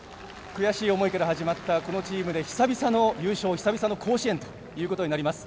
悔しい思いから始まったこのチームで久々の優勝久々の甲子園となります。